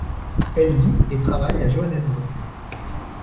Elle vit et travaille à Johannesburg.